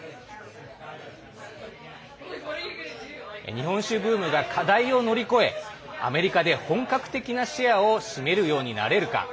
日本酒ブームが課題を乗り越えアメリカで本格的なシェアを占めるようになれるか。